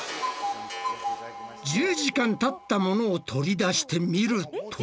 １０時間たったものを取り出してみると。